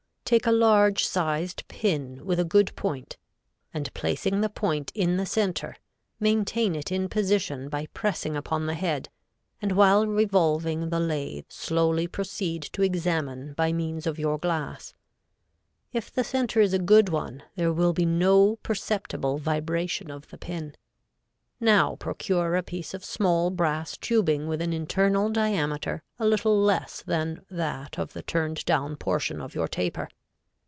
Take a large sized pin with a good point, and placing the point in the center, maintain it in position by pressing upon the head, and while revolving the lathe slowly proceed to examine by means of your glass. If the center is a good one there will be no perceptible vibration of the pin. Now procure a piece of small brass tubing with an internal diameter a little less than that of the turned down portion of your taper.